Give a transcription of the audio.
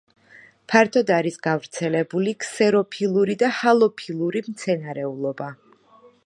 ფართოდ არის გავრცელებული ქსეროფილური და ჰალოფილური მცენარეულობა.